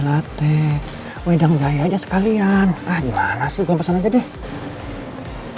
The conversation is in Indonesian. tapi nyanyilah dikit